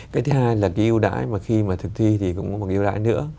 cái thứ hai là cái ưu đãi mà khi mà thực thi thì cũng không có cái ưu đãi nữa